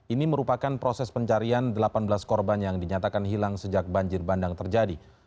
ini merupakan proses pencarian delapan belas korban yang dinyatakan hilang sejak banjir bandang terjadi